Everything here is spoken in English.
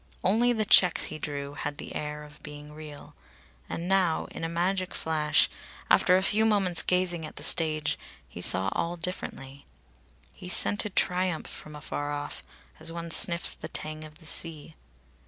Only the checks he drew had the air of being real. And now, in a magic flash, after a few moments gazing at the stage, he saw all differently. He scented triumph from afar off, as one sniffs the tang of the sea.